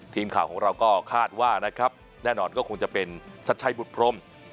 ทีมข่าวของเราก็คาดว่านะครับแน่นอนก็คงจะเป็นชัดชัยบุตรพรม